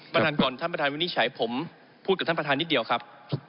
ท่านก่อนท่านประธานวินิจฉัยผมพูดกับท่านประธานนิดเดียวครับ